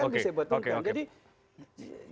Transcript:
kan bisa petunkan